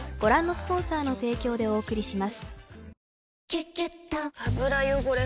「キュキュット」油汚れ